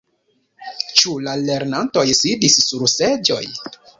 Ĉu la lernantoj sidis sur seĝoj?